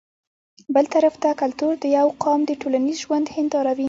بل طرف ته کلتور د يو قام د ټولنيز ژوند هنداره وي